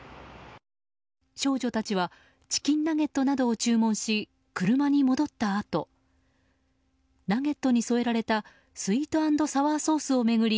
少女たちはチキンナゲットなどを注文し車に戻ったあとナゲットに添えられたスイート＆サワーソースを巡り